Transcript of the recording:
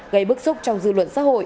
gây bức xúc trong dư luận